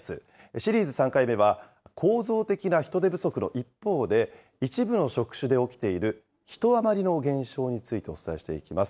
シリーズ３回目は、構造的な人手不足の一方で、一部の職種で起きている人あまりの現象についてお伝えしていきます。